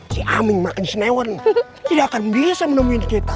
si aming makin senewan tidak akan bisa menemuin kita